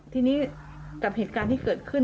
ทีนี้กับเหตุการณ์ที่เกิดขึ้น